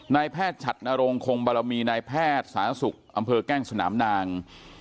นายแพทย์ฉัดนรงคงบารมีนายแพทย์สาธารณสุขอำเภอแก้งสนามนาง